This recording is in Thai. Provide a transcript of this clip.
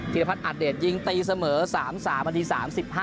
ธินภัทรอัดเดชยิงตีเสมอ๓๓อันดี๓๕